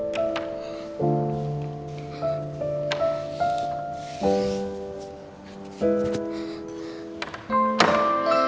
jangan sampai kalian kenapa napa